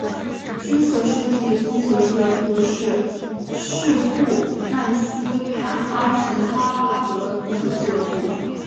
金色世纪足球俱乐部是土库曼斯坦阿什哈巴德足球俱乐部。